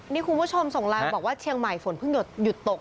นี่คุณผู้ชมส่งไลน์มาบอกว่าเชียงใหม่ฝนเพิ่งหยุดตก